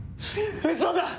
嘘だ！